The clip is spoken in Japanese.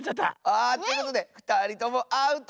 あということでふたりともアウト！